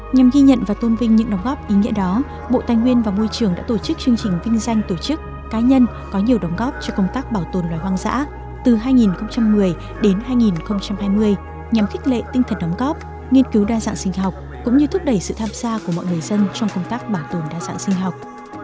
nhằm ghi nhận và tôn vinh những đồng góp ý nghĩa đó bộ tài nguyên và môi trường đã tổ chức chương trình vinh danh tổ chức cá nhân có nhiều đóng góp cho công tác bảo tồn loài hoang dã từ hai nghìn một mươi đến hai nghìn hai mươi nhằm khích lệ tinh thần đóng góp nghiên cứu đa dạng sinh học cũng như thúc đẩy sự tham gia của mọi người dân trong công tác bảo tồn đa dạng sinh học